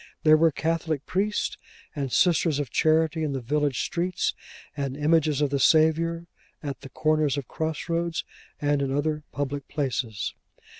There were Catholic Priests and Sisters of Charity in the village streets; and images of the Saviour at the corners of cross roads, and in other public places.